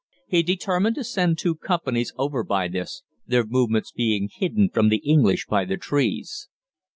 He determined to send two companies over by this, their movements being hidden from the English by the trees.